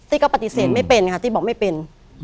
ก็ปฏิเสธไม่เป็นค่ะตี้บอกไม่เป็น